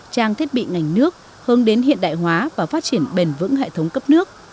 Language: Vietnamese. trang thiết bị ngành nước hướng đến hiện đại hóa và phát triển bền vững hệ thống cấp nước